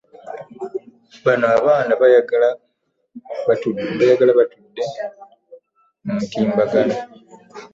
Baano abaana beyagala, beetadde ne ku mutimbagano.